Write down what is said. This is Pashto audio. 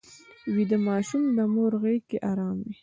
ویده ماشوم د مور غېږ کې ارام وي